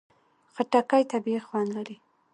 خټکی طبیعي خوند لري.